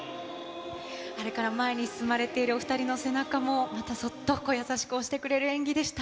あれから前に進まれているお２人の背中も、またそっと、優しく押してくれる演技でした。